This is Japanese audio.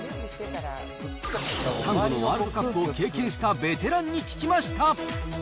３度のワールドカップを経験したベテランに聞きました。